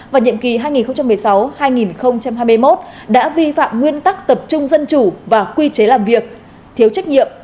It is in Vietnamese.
và nhiệm kỳ hai nghìn một mươi sáu hai nghìn hai mươi một đã vi phạm nguyên tắc tập trung dân chủ và quy chế làm việc thiếu trách nhiệm